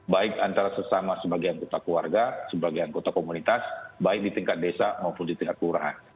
baik antara sesama sebagian kota keluarga sebagian kota komunitas baik di tingkat desa maupun di tingkat kelurahan